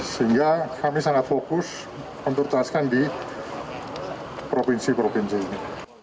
sehingga kami sangat fokus untuk jelaskan di provinsi provinsi ini